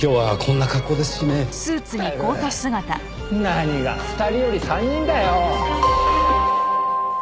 何が２人より３人だよ！